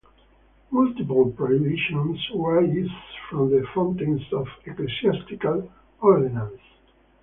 Multiple prohibitions were issued from the fountains of ecclesiastical ordinances.